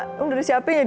kamu dari siapa ya